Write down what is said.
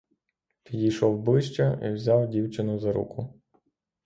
Підійшов ближче і взяв дівчину за руку.